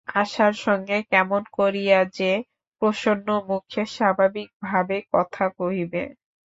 আশার সঙ্গে কেমন করিয়া সে প্রসন্নমুখে স্বাভাবিকভাবে কথা কহিবে।